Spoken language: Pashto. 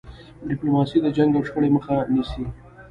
ډيپلوماسي د جنګ او شخړې مخه نیسي.